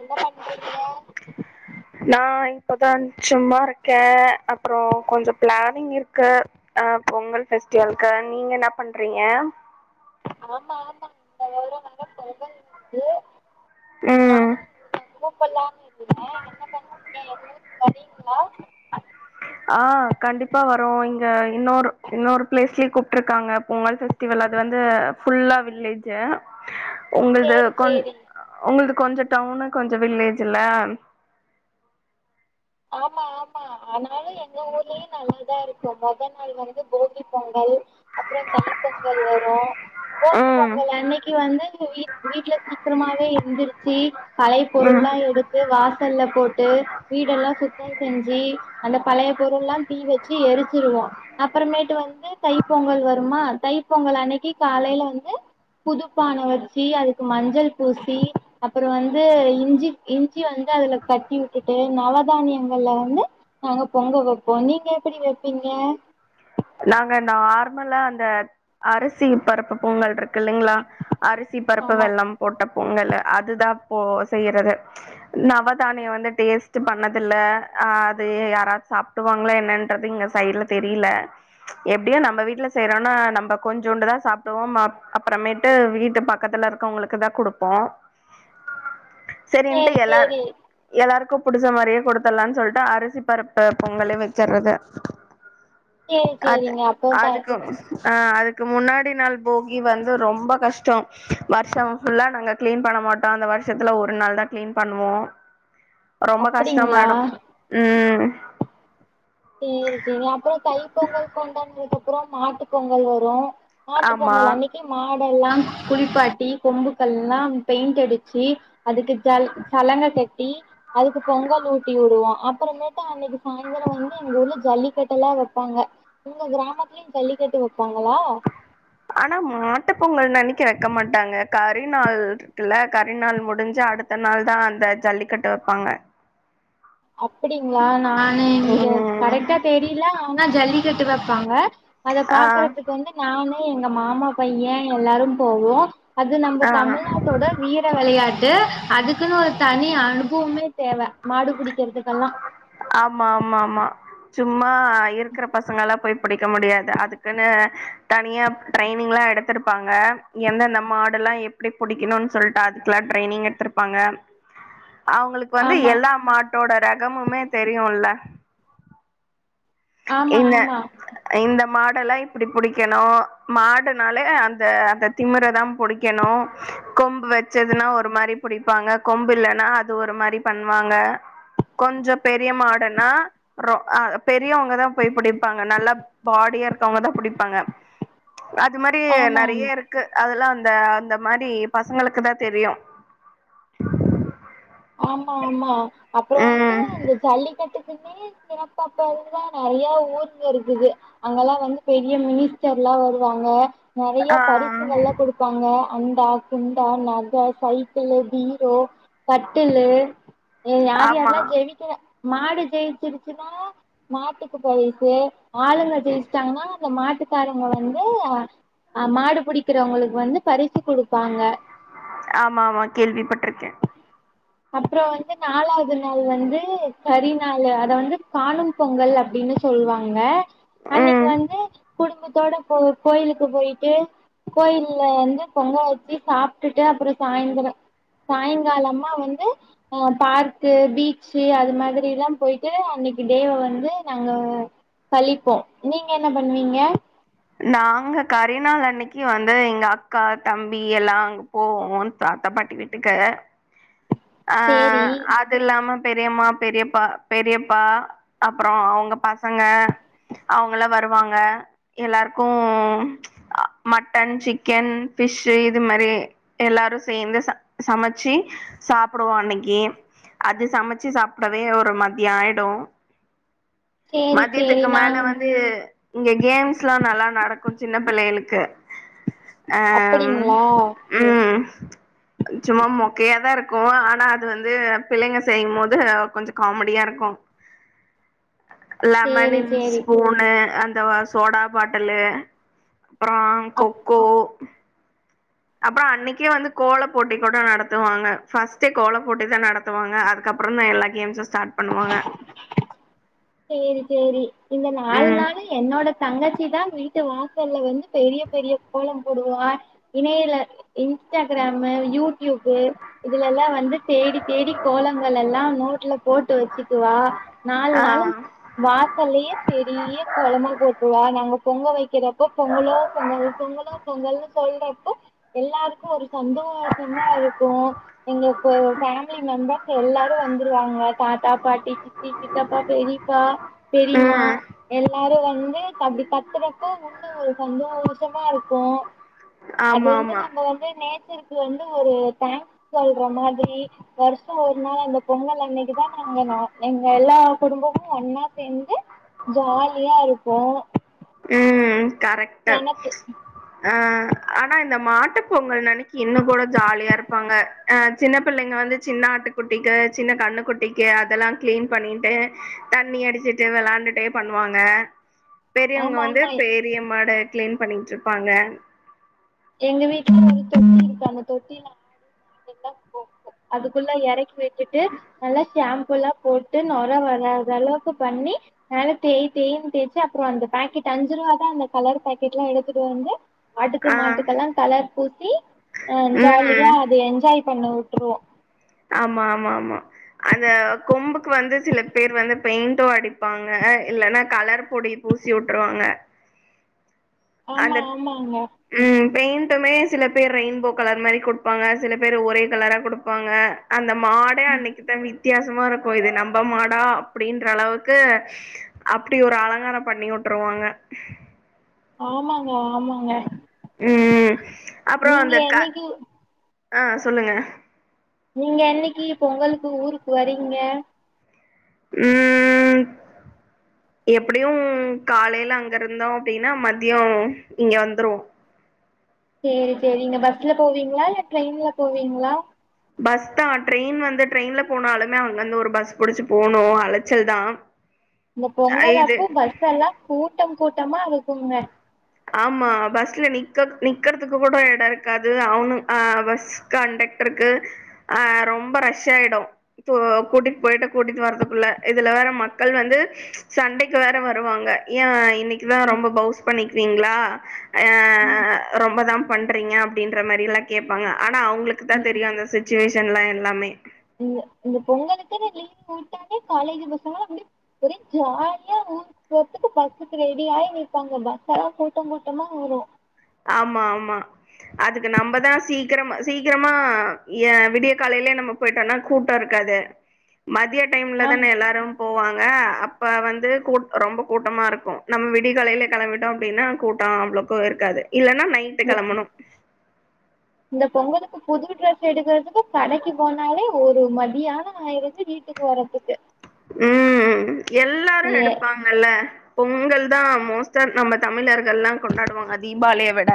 என்ன டா [inaudible] நா இப்பதா சும்மா இருக்கே அப்புறோ கொஞ்சோ பிளானிங் இருக்கு ஆ பொங்கல் ஃபெஸ்டிவல்க்கு நீங்க என்ன பண்றீங்க ஆமா ஆமா இந்த வாரம் வேற பொங்கல் வருது ம் ஒடம்பெல்லா இருக்குதுங்க ஆ கண்டிப்பா வரோ இங்க இன்னொரு இன்னொரு பிளேஸ்லயய கூப்ட்டுருக்காங்க பொங்கல் ஃபெஸ் டிவல் அது வந்து ஃபுல்லா வில்லேஜ்ஜு [inaudible] உங்கள்து கொன் சேரி உங்கள்து கொஞ்சோ டவுனு கொஞ்சோ வில்லேஜ் இல்ல ஆமா ஆமா அதனால எங்க ஊர்லயே நல்லாதா இருக்கு மொத நாள் வந்து போகி பொங்கல் அப்றோ தை பொங்கல் வரு போகி ம் பொங்கல் அன்னைக்கு வந்து வீ வீட்ல சீக்கிரமாவே எந்திருச்சு பலைய ம் பொருள்லா எடுத்து வாசல்ல போட்டு வீடெல்லா சுத்தோ செஞ்சு அந்த பழைய பொருள்ல்லா தீ வச்சு எரிச்சிருவோ அப்பறமேட்டு வந்து தை பொங்கல் வருமா தை பொங்கல் அன்னைக்கி காலையில வந்து புதுப்பான வச்சி அதுக்கு மஞ்சள் பூசி அப்பற வந்து இஞ்சி இஞ்சி வந்து அதுல கட்டி உட்டுட்டு நாலாக் சிருதானியங்கள்ல வந்து நாங்க பொங்க வெப்போ நீங்க எப்டி வப்பீங்க நாங்க நார்மலா அந்த அரிசி பருப்பு பொங்கல் ருக்கில்லைங்களா அரிசி பருப்பு ஆமா வெள்ளம் போட்ட பொங்கல்லு அதுதா போ செய்யறது நவதானியோ வந்து டேஸ்ட்டு பண்ணதில்ல ஆ அது யாராச்சாப் டுவாங்கள என்னன்றது இங்க சைடுல தெரில எப்டியு நம்ம வீட்ல செய்யறோன்னா நம்ப கொஞ்சோண்டுதா சாப்டுவோ ம அப்பறமேட்டு வீட்டு பக்கத்துல இருக்கவுங்களுக் கு தா குடுப்போ [inaudible] சேரின்ட்டு எல்லார் சேரி எல்லாருக்கும் புடிச்ச மாரியே கொடுத்தடலானு சொல்ட்டு அரிசி பருப்பு பொங்கலே வச்சடுறது சேரி அது சேரிங்க அப்ப த அதுக்கு ஆ அதுக்கு முன்னாடி நாள் போகி வந்து ரொம்ப கஷ்டோ வருஷோ ஃபுல்லா நாங்க கிளீன் பண்ண மாட்டோ அந்த வருஷத்துல ஒரு நாள் தா கிளீன் பண்ணுவோ [inaudible] ரொம்ப கஷ்டோ அப்டிங்களா மேடோ ம் சேரி சேரி அப்புறோ தை பொங்கல் கொண்டாடுது அப்புறோ மாட்டு பொங்கல் வரு மாட்டு ஆமா பொங்கல் அன்னைக்கு மாடெல்லா குளிப்பாட்டி கொம்புக்கு எல்லா பெயிண்ட் அடிச்சு அதுக்கு ஜல் சலங்க கட்டி அதுக்கு பொங்கல் ஊட்டி உடுவோ அப்புறமேட்ட அன்னைக்கு சாயந்தரோ வந் எங்க ஊர்ல ஜல்லிக்கட்டுல்லா வப்பாங்க உங்க கிராமத்துலயு ஜல்லிக்கட்டு வப்பாங்களா ஆனா மாட்டு பொங்கல் அன்னிக்கு வைக்க மாட்டாங்க கரிநாள் இருக்குல கரிநாள் முடிஞ்சு அடுத் த நாள்தா அந்த ஜல்லிக்கட்டு வப்பாங்க [inaudible] அப்படிங்களா நானு இங்க ம் கரெக்டா தெரியல ஆனா ஜல்லிக்கட்டு வப்பாங்க அத ஆ பாக்குறதுக்கு வந்து நானு எங்க மாமா பைய எல்லாரு போவோ அது நம்ப ஆ தமிழ்நாட் டோட வீர விளையாட்டு அதுக்குன்னு ஒரு தனி அனுபவமே தேவ மாடு புடி க்றதுக்கெல்லா ஆமா ஆமா ஆமா சும்மா இருக்குற பசங்கல்லா போய் புடிக்க முடியாது அதுக்குன்னு தனியா ட்ரைனிங்லா எடுத்திருப்பாங்க எந்த நம்ம ஆடெல்லா எ ப்டி புடிக்கணுனு சொல்ட்டு அதுக்குல்லா ட்ரைனிங் எடுத்திருப்பாங்க அவங்களுக் வந்து ஆமா எல்லா மாட்டோட ரகமுமே தெரியுல்ல ஆமா இந்ந ஆமா இந்த மாடெல்லா இப்படி புடிக்கணு மாடுனாலே அந்த அந்த திமிரதா புடி க்கணு கொம்பு வச்சதுன்னா ஒரு மாரி புடிப்பாங்க கொம்பு இல்லன்னா அது ஒரு மாரி பண்ணுவாங்க கொஞ்சொ பெரிய மாடுன்னா ரொ அ பெரியவங்கதா போய் புடிப்பாங்க நல்ல பாடியா இருக்கவங்க தா புடிப்பாங்க அது மாரி ஆமா ஆமா நெறைய இரு க்கு அதெல்லா அந்த அந்த மாரி பசங்களுக்கு தா தெரியு ஆமாமா அப்பறோ வந்து ம் அந்த ஜல்லிக்கட்டுக்குன்னே அப்ப அப்பந்துதா நெறையா ஊருங்க இருக்குது அங்கல்லா வந்து பெரிய மினிஸ்டர்லா வருவாங்க நெறைய ஆ பரிசுகள்லா குடு பாங்க அண்டா குண்டா நக சைக்கிள் பீரோ கட்டில்லு ஏ யார் ஆமா யாரெல்லா ஜெவி க்கிற மாடு ஜெயிச்சிருச்சுன்னா மாட்டுக்கு பயசு ஆளுங்க ஜெய்ச்சிட்டாங்கன்னா இந்த மாட்டுக்காரங்க வந்து அ மாடு பிடிக்கிறவங்களுக்கு வந்து பரிசு குடுப்பாங்க ஆமாமா கேள்விப்பட்டிருக்க அப்பறோ வந்து நாலாவது நாள் வந்து கரி நாள் அத வந்து காணும் பொங்கல் அப்டின்னு சொல்வாங்க அன்னைக்கு ம் வந்து குடும்பத்தோட போ ஒரு கோயிலுக்கு போயிட்டு கோயில்ல வந்து பொங்க வச்சு சாப்ட்டுட்டு அப்றோ சாய்ந்திரோ சாயங்காலமா வந்து அ பார்க்கு பீச்சு அது மாதிரில்லா போயிட்டு அன்னைக்கு டேவ வந்து நாங்க கழிப்போ நீங்க என்ன பண்ணுவீங்க நாங்க கரிநாள் அன்னைக்கு வந்து எங்க அக்கா தம்பி எல்லாங்கு போவோ தாத்தா பாட்டி வீட்டுக்கு ஆ சேரி அ து இல்லாம பெரியம்மா பெரியப்பா பெரியப்பா அப்பறோ அவங்க பசங்க அவங்கலா வருவாங்க எல்லாருக்கு அ மட்டன் சிக்கன் ஃபிஷ்ஷு இது மாரி எல்லாரு சேர்ந்து ச சமைச்சு சாப்புடுவோ அன்னைக்கு அது சமச்சு சாப்டவே ஒரு மதியோ ஆயிடு சேரி சேரி மதியத்துக்கு மேல நாங் வந்து இங்க கேம்ஸ் எல்லா நல்லா நடக்கு சின்ன பிள்ளைகளுக்கு அம் அப்படிங்களா ம் சும்மா மொக்கயா தா இருக்கு ஆனா அது வந்து பிள்ளைங்க செய்யு போது கொஞ்சோ காமடியா இருக்கு [inaudible] சேரி லெமனின் சேரி ஸ்பூனு அந்த சோடா பாட்டலு அப்புறோ அப் கொக்கோ அப்புறோ அன்னைக்கே வந்து கோல போட்டி கூட நடத்துவாங்க ஃபர்ஸ்ட்டே கோல போட்டி தா நடத் த்துவாங்க அதுக்கப்புறந் தா எல்லா கேம்ஸு ஸ்டார்ட் பண்ணுவாங்க சேரி சேரி இந்த நாலு ம் நாளு என்னோட தங்கச்சி தா வீட்டு வாசல்ல வந்து பெரிய பெரிய கோலம் போடுவா இணையில இன்ஸ்டாகிராமு யூடியூபு இதுலல்லா வந்து தேடி தேடி கோலங்கள் எல்லா நோட்டுல போட்டு வச்சுக்குவா நாலு ஆ நாளும் வாசல்லயே பெரிய கோலமா போட் அவா நாங்க பொங்க வக்கிறப்போ பொங்கலோ பொங்கல் பொங்கலோ பொங்கல்னு சொல்றப்போ எல்லாருக்கு ஒரு சந்தோஷமா இருக்கு எங்க கு ஃபேமிலி மெம்பர்ஸ் எல்லாரு வந்துருவாங்க தாத்தா பாட்டி சித்தி சித்தப்பா பெரி பா பெரியிமா ம் எல்லாரு வந்து அப்டி கத்துறப்ப உன் அது ஒரு சந்தோஷமா இருக்கு அது ஆமா வந்து ஆமா. நம்ம வந்து நேச்சர் இன்னைக்கி வந்து அவரு தேங்க்ஸ் சொல்ற மாதிரி வர்ஷோ ஒரு நாள் அந்த பொங்கல் அன்னைக்கு தா நாங்க நா எங்க எல்லார் குடும்பமு மு ஒன்னா சேந்து ஜாலியா இருபோ ம்ம் கரெக்டு அ ஆனா இந்த மாட்டு பொங்கல் நனைக்கி இன்னு கூட ஜாலியா இருப்பாங்க அ சின்ன பிள்ளைங்க வந்து சின்ன ஆட்டு குட்டிக்கு சின்ன கண்ணு குட்டிக்கு அதெல்லா க்ளீன் பண்ணிட்டு தண்ணி அடிச்சிட்டே விளாண்டுட்டே பண்ணுவாங்க பெரியவங்க ஆமா வந்து ஆமா பெரிய மாட க்ளீன் பண்ணிக்டுருப்பாங்க எங்க வீட்டல ஒரு தொட்டி இருக்கு அந்த தொட்டில மில்லா போ அதுக்குள்ள எறக்கி வச்சிட்டு நல்லா ஷேம்புல்லாப் போட்டு நொர வராத ளவுக்கு பண்ணி மேல தேய் தேய்ன்னு தேச்சு அப்ரோ அந்த பேக்கெட் அஞ்சு ரூவா தா அந்த கலர் பேக்கெட் எல்லா எடுத்துட்டு வந்து ஆட்டுக்கு ஆ. மாட்டுக்கெல்லா கலர் பூசி அ ஜாலியா ம். அது என்ஜாய் பண்ண உட்டுருவோ ஆமா ஆமா ஆமா அந்த கொம்புக்கு வந்து சில பேர் வந்து பெயிண்ட்டு அடிப்பாங்க இல்லன்னா கலர் பொடி பூசி வுட்டுருவாங்க ஆமா ஆமாங்க ம் பெயிண்ட்டுமே சில பேர் ரெயின்போ கலர் மாரி கொடுப்பாங்க சில பேர் ஒரே கலரா கொடுப்பாங்க அந்த மாடே அன்னைக்குத்தா வித்தியாசமா இருக்கு இது நம்ம மாடா அப்படின்ற அளவுக்கு அப்டி ஒரு அலங்காரோ பண்ணி விட்ருவாங்க ஆமாங்க ஆமாங்க ம் அப்புறோ நீங்க அந்த க என்னைக்கு அஆ சொல்லுங்க நீங்க என்னைக்கி பொங்கல்க்கு ஊருக்கு வரீங்க ம் [inaudible] எப்டியு காலேல அங்க இருந்தோ அப்டின்னா மதியோ இங்க வந்துருவோ சேரி சேரி நீங்க பஸ்ல போவீங்களா இல்ல ட்ரெயின்ல போவீங்ளா பஸ்தா ட்ரெயின் வந்து ட்ரெயின்ல போனாலுமே அங்கிருந்து ஒரு பஸ் புடிச்சு போணு அலைச்சல் தா இந்த அ பொங்கல் இது அப்பூ பஸ் எல்லா கூட்டம் கூட்டமா இருக்குங்க ஆமா பஸ்ல நிக்கக் நிக்றதுக்கு கூட எட இருக்காது அவனு ஆ பஸ் கண்டக்டருக்கு ஆ ரொம்ப ரஷ்சாயிடு த்தோ கூடிட்டு போய்ட்டு கூடிட்டு வர்றதுக்குள்ள இதுல வேற மக்கள் வந்து சண்டைக்கு வேற வருவாங்க ஏ இன்னைக்கிதா ரொம்ப பவுஸ் பண்ணி விங்ளா அ ரொம்பதாம் பண்றீங்க அப்டின்ற மாரி எல்லா கேப்பாங்க ஆனா அவங்களுக்கு தா ம், தெரியு அந்த சுச்சுவேஷன்லா எல்லாமே இந்த இந்த பொங்கலுக்கினு லீவ் வுட்டானே காலேஜ் பசங்கள அப்டிய ஒரே ஜாலியா ஊரு போறத்துக்கு பஸ்ஸுக்கு ரெடி ஆயி நிப்பாங்க பஸ் லா கூட்ட கூட்டமா வரு ஆமா ஆமா அதுக்கு நம்மதா சீக்கிரம் சீக்கிரமா எ விடிய காலேலே நம்ம போயிட்டோன்னா கூட்டோ இருக்காது மதிய டைம்ல ஆம் தான எல்லாரு போவாங்க அப்ப வந்து கூ ரொம்ப கூட்டமா ருக்கு நம்ம விடியகாலேல கெளம்பிட்டோ அப்டின்னா கூட்டோ அவ்ளோ கோ இருக்காது இல்லன்னா நைட்டு இந்த கெளம்பணு இந்த பொங்கலுக்கு புது ட்ரெஸ் எடுக்கறதுக்கு கடைக்கு போனாலே ஒரு மதியானமா யிருது வீட்டுக்கு வரதுக்கு ம் எல்லாரு ஏ எடுப்பாங்கல்ல பொங்கல் தா மோஸ்டா நம்ம தமிழர்கல்லா கொண்டாடுவாங்க தீபாளிய விட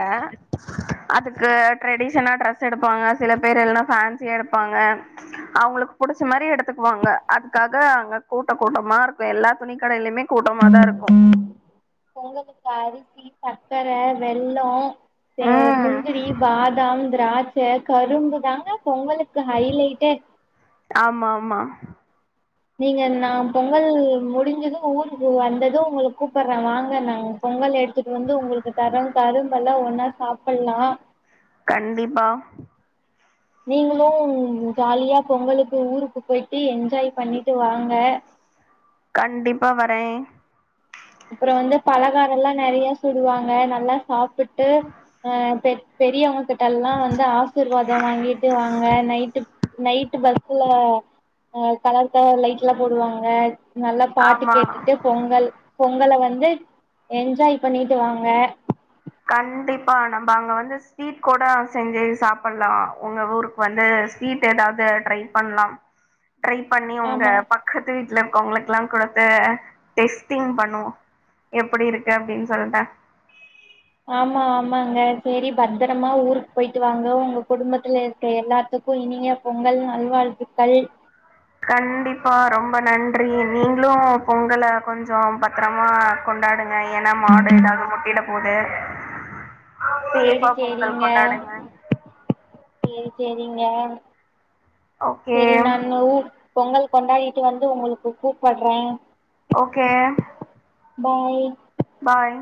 அதுக்கு ட்ரெடிஷனா டிரஸ் எடுப்பாங்க சில பேர் எல்லா ஃபேன்சியா எடுப்பாங்க அவுங்களுக்கு புடிச்ச மாரி எடுத்துக்குவாங்க அதுக்கா க அங்க கூட்ட கூட்டமா இருக்கு எல்லா துணி கடையிலுமே கூட்டமா தா இருக்கு பொங்கலுக்கு அரிசி சச்கர வெள்ளோ சே ம். முந்திரி பாதாம் திரா ச்ச கரும்பு தாங்க பொங்கலுக்கு ஹைலைட்டே ஆமா ஆமா நீங்க நா பொங்கல் முடிஞ்சது ஊருக்கு வந்தது உங்களுக்கு கூப்பிடுறே வாங்க நாங்க பொங்கல் எடுத்துட்டு வந்து உங்களுக்கு தரோ கரும்பெல்லா ஒன்னா சாப்பில்லா கண்டிப்பா நீங்களும் ஜாலியா பொங்கலுக்கு ஊருக்கு போயிட்டு என்ஜாய் பண்ணிட்டு வாங்க கண்டிப்பா வரே அப்பறோ வந்து பலகாரோ ல்லா நெறைய சுடுவாங்க நல்லா சாப்பிட்டு அ பெ பெரியவுங்ககிட்ட ல்லா வந்து ஆசிர்வாதம் வாங்கிட்டு வாங்க நைட்டு நைட்டு பஸ்ல ஹ கலர் கலர்லைட்லா போடுவாங்க நல்லா பாட்டு ஆமா. கேட்டுட்டு பொங்கல் பொங்கல வந்து என்ஜாய் பண்ணிட்டு வாங்க கண்டிப்பா நம்ம அங்க வந்து ஸ்வீட் கூட செஞ்சு சாப்பிலா உங்க ஊரு வந்து ஸ்வீட் ஏதாவது ட்ரை பண்ணலா ட்ரை பண்ணி உங்க ஆமா பக்கத்து வீட்ல இருக்கவுங்களுக்குல்லா குடுத்து டெஸ்ட்டிங் பண்ணுவோ எப்டி இருக்கு அப்டின்னு சொல்ட்டு ஆமா ஆமாங்க சேரி பத்தரமா ஊருக்கு போயிட்டு வாங்க உங்க குடும்பத்திலே எல்லாத்துக்கு இனிய பொங்கல் நல்வாழ்த்துக்கள் கண்டிப்பா ரொம்ப நன்றி நீங்களு பொங்கல கொஞ்சோ பத்தரமா கொண்டாடுங்க ஏனா மாடு எதாவ்து முட்டிட போது சேரி சேஃபா பொங்கல் சேரிங்க கொண்டாடுங்க சேரி சேரிங்க ஓகே சேரி நானு பொங்கல் கொண்டாடிட்டு வந்து உங்களுக்கு கூப்பட்றே ஓகே பாய் பாய்